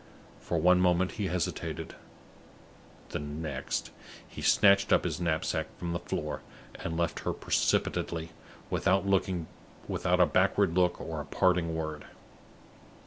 For one moment he hesitated; the next, he snatched up his knapsack from the floor, and left her precipitately, without a backward look or a parting word.